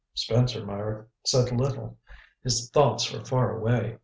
Spencer Meyrick said little; his thoughts were far away.